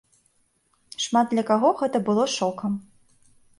Шмат для каго гэта было шокам.